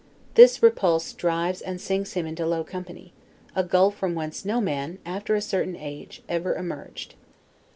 This repulse drives and sinks him into low company; a gulf from whence no man, after a certain age, ever emerged.